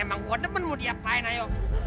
emang gua demen mau diapain ayo